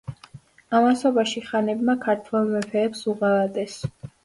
ამასობაში ხანებმა ქართველ მეფეებს უღალატეს.